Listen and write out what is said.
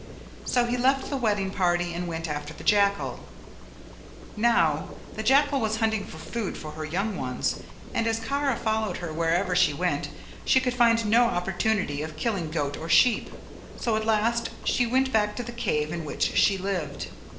So he left the wedding party and went after the jackal; now the jackal was hunting for food for her young ones, and as Kara followed her wherever she went she could find no opportunity of killing a goat or sheep; so at last she went back to the cave in which she lived.